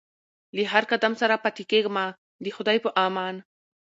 له هر قدم سره پاتېږمه د خدای په امان